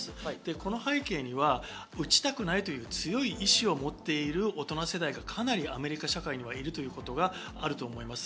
この背景には打ちたくないという強い意思を持っている大人世代がかなりアメリカ社会にいるということがあると思います。